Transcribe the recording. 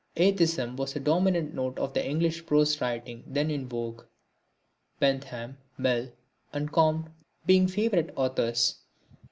Atheism was the dominant note of the English prose writings then in vogue, Bentham, Mill and Comte being favourite authors.